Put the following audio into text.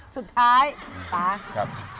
ซุดท้ายปลา